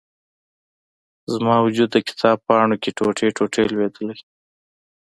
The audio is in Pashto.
زما و جود، د کتاب پاڼو کې، ټوټي، ټوټي لویدلي